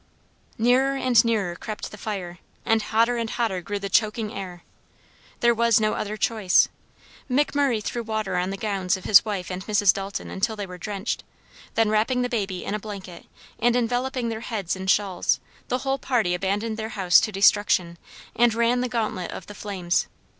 Nearer and nearer crept the fire, and hotter and hotter grew the choking air. There was no other choice. McMurray threw water on the gowns of his wife and Mrs. Dalton until they were drenched; then wrapping the baby in a blanket and enveloping their heads in shawls, the whole party abandoned their house to destruction, and ran the gauntlet of the flames.